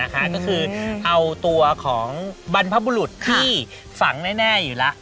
ก็คือเอาตัวของบรรพบุรุษที่ฝังแน่อยู่แล้ว